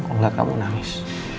kalau gak kamu nangis